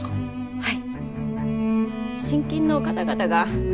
はい。